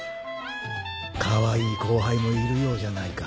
かわいい後輩もいるようじゃないか。